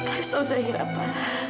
lestau zahira pa